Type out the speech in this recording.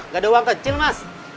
gak ada uang kecil mas